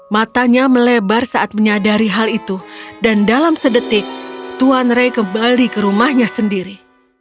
matanya melebar saat menyadari hal itu dan dalam sedetik tuan ray kembali ke rumahnya sendiri